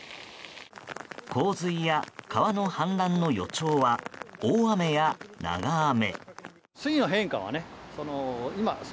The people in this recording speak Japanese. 洪水や川の氾濫の予兆は大雨や長雨。